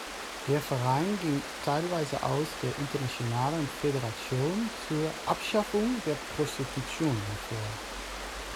Der Verein ging teilweise aus der Internationalen Föderation zur Abschaffung der Prostitution hervor.